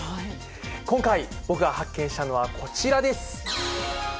今回、僕が発見したのはこちらです。